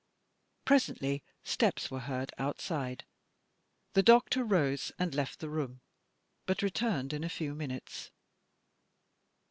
Presently steps were heard outside. The doctor rose and left the room but returned in a few minutes.